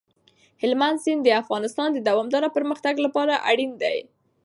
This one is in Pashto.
هلمند سیند د افغانستان د دوامداره پرمختګ لپاره اړین دی.